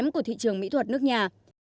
chuột nước nhà